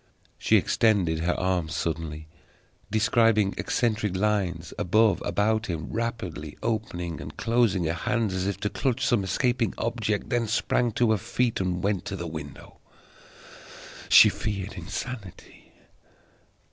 She extended her arms suddenly, describing eccentric lines, above, about him, rapidly opening and closing her hands as if to clutch some escaping object; then sprang to her feet, and went to the window. She feared insanity.